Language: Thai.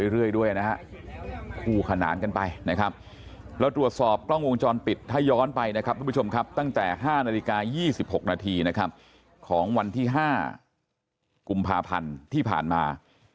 เรื่อยด้วยนะฮะคู่ขนานกันไปนะครับเราตรวจสอบกล้องวงจรปิดถ้าย้อนไปนะครับทุกผู้ชมครับตั้งแต่๕นาฬิกา๒๖นาทีนะครับของวันที่๕กุมภาพันธ์ที่ผ่านมา